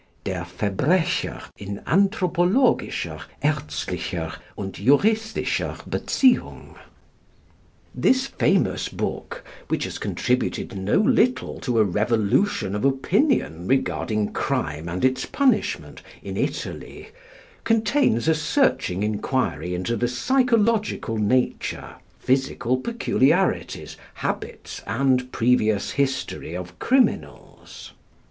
_ "Der Verbrecher in Anthropologischer, Aerztlicher und Juristischer Beziehung." This famous book, which has contributed no little to a revolution of opinion regarding crime and its punishment in Italy, contains a searching inquiry into the psychological nature, physical peculiarities, habits, and previous history of criminals.